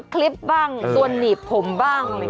คลิปบ้างส่วนหนีบผมบ้าง